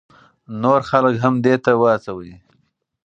نور خلک هم دې ته وهڅوئ.